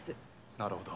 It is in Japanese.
なるほど。